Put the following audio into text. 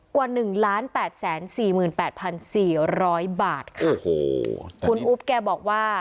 กว่าหนึ่งล้านแปดแสนสี่หมื่นแปดพันสี่ร้อยบาทค่ะโอ้โหคุณอุ๊บแกบอกว่า